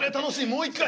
もう一回？